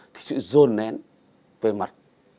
thì sự dồn nén về mặt